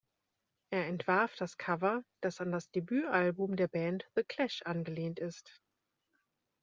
Er entwarf das Cover, das an das Debütalbum der Band The Clash angelehnt ist.